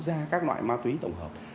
ra các loại ma túy tổng hợp